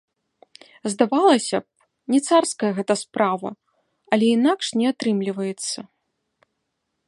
Здавалася б, не царская гэта справа, але інакш не атрымліваецца.